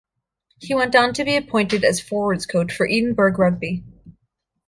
He went on to be appointed as forwards coach for Edinburgh Rugby.